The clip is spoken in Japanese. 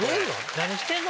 何してんの？